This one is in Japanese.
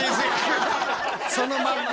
そのまんま。